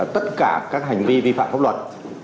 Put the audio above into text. tất cả các hành vi vi phạm pháp luật